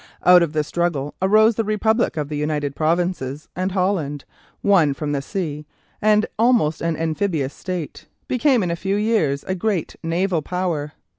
Out of the struggle arose the Republic of the United Provinces, and Holland, won from the sea, and almost an amphibious state, became in a few years a great naval power.